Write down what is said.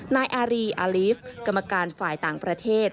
นายอารีอาลีฟกรรมการฝ่ายต่างประเทศ